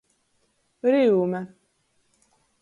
Ryume.